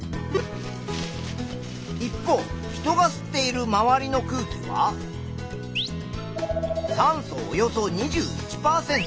一方人が吸っているまわりの空気は酸素およそ２１％。